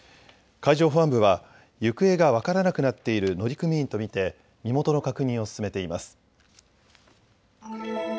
海上保安部は行方が分からなくなっている乗組員と見て身元の確認を進めています。